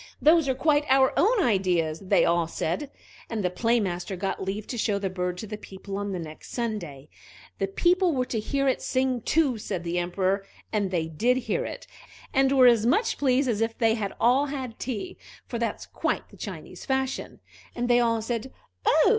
"Those are quite our own ideas," they all said. And the Play master got leave to show the bird to the people on the next Sunday. The people were to hear it sing too, said the Emperor; and they did hear it, and were as much pleased as if they had all had tea, for that's quite the Chinese fashion; and they all said "Oh!"